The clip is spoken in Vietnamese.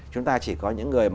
chúng ta chỉ có những người